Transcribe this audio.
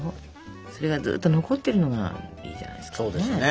それがずっと残ってるのがいいじゃないですかね。